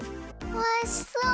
おいしそう！